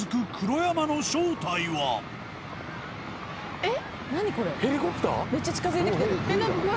えっ！？